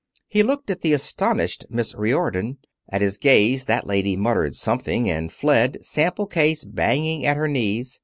He looked at the astonished Miss Riordon. At his gaze that lady muttered something, and fled, sample case banging at her knees.